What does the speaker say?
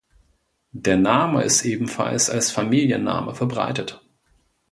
Der Name ist ebenfalls als Familienname verbreitet.